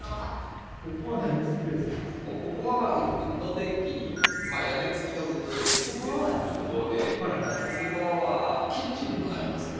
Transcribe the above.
ここがウッドデッキに屋根付きのウッドデッキスペースになってて夏場はキッチンにもなりますね。